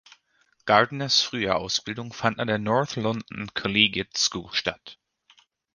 Gardners frühe Ausbildung fand an der North London Collegiate School statt.